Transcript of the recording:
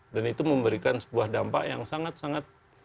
itu memberikan sebuah dampak yang sangat sangat